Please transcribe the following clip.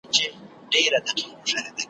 یوه ورځ به دې پخپله بندیوان وي ,